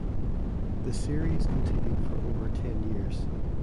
The series continued for over ten years.